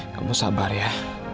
kamu sabar ya